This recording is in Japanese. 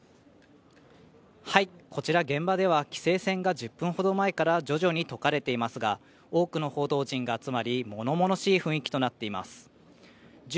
こちら現場では規制線が１０分ほど前から徐々に置かれていますが、多くの報道陣が集まり物々しい雰囲気となっています。